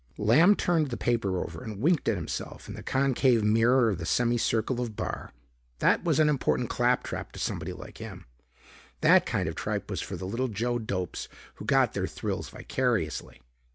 Lamb turned the paper over and winked at himself in the concave mirror of the semi circle of bar. That was unimportant claptrap to somebody like him. That kind of tripe was for the little Joe Dopes who got their thrills vicariously.